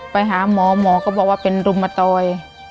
ไปหาหมอหมอก็บอกว่าเป็นรุมตอย